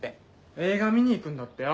映画見に行くんだってよ。